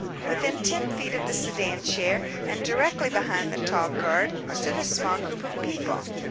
Within ten feet of the sedan chair and directly behind the tall guard stood a small group of people.